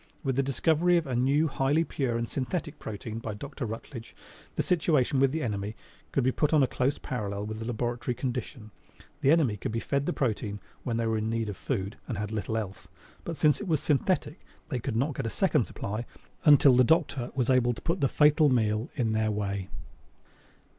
With the discovery of a new, highly pure and synthetic protein by Dr. Rutledge the situation with the enemy could be put on a close parallel with the laboratory condition. The enemy could be fed the protein when they were in need of food and had little else, but since it was synthetic, they could not get a second supply until the Doctor was able to put the fatal meal in their way.